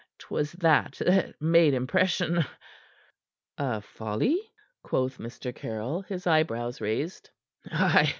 'Twas that that made impression." "A folly?" quoth Mr. Caryll, his eyebrows raised.